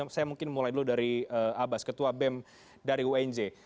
saya mungkin mulai dulu dari abbas ketua bem dari unj